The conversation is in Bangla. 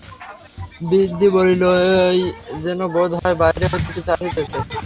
বৃদ্ধি বলিলেই যেন বোধ হয়, বাহির হইতে কিছু আসিতেছে।